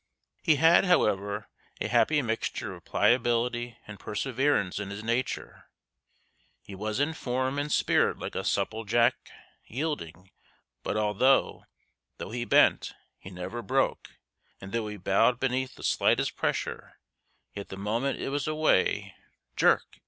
He had, however, a happy mixture of pliability and perseverance in his nature; he was in form and spirit like a supple jack yielding, but although; though he bent, he never broke and though he bowed beneath the slightest pressure, yet the moment it was away, jerk!